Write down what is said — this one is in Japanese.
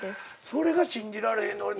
それが信じられへん。